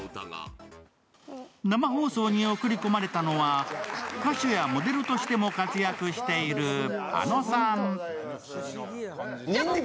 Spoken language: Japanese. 生放送に送り込まれたのは、歌手やモデルとしても活躍している、あのさん。